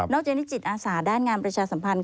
เจนิจิตอาสาด้านงานประชาสัมพันธ์